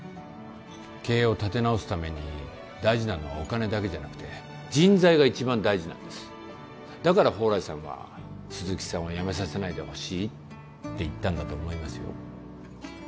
経営を立て直すために大事なのはお金だけじゃなくて人材が一番大事なんですだから宝来さんは鈴木さんを辞めさせないでほしいって言ったんだと思いますよ